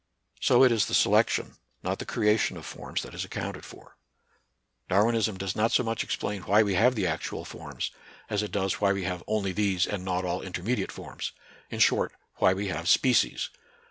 So it is the selection, not the creation of forms that is accounted for. NATURAL SCIENCE AND RELIGION. 49 Darwinism does not so much explain why we have the actual forms, as it ' does why we have only these and not all intermediate forms, — in short, why we have species.